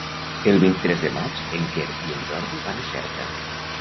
El vint-i-tres de maig en Quer i en Jordi van a Xerta.